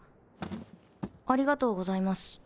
ありがとうございます。